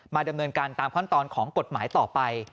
ดำเนินการตามขั้นตอนของกฎหมายต่อไป